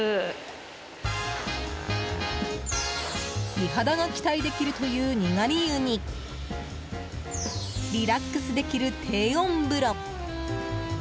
美肌が期待できるというにがり湯にリラックスできる低温風呂。